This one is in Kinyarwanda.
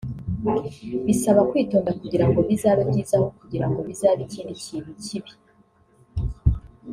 bisaba kwitonda kugira ngo bizabe byiza aho kugira ngo bizabe ikindi kintu kibi